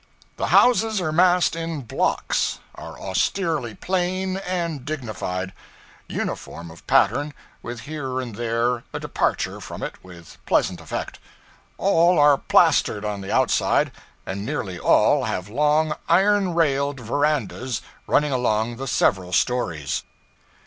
The houses are massed in blocks; are austerely plain and dignified; uniform of pattern, with here and there a departure from it with pleasant effect; all are plastered on the outside, and nearly all have long, iron railed verandas running along the several stories.